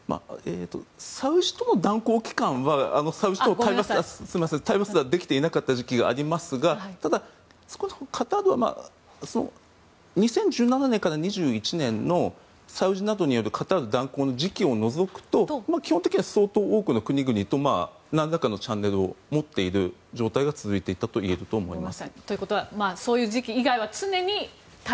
サウジとの断交期間はサウジと対話すらできていなかった時期がありますがただ、カタールは２０１７年から２１年のサウジなどによるカタール断交の時期を除くと基本的には相当多くの国々となんらかのチャンネルを持っていた状態は続いていたといえると思います。